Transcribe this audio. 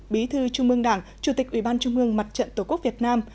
bí thư trung mương đảng chủ tịch ủy ban trung mương mặt trận tổ quốc việt nam